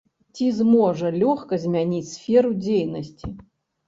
Ці зможа лёгка змяніць сферу дзейнасці?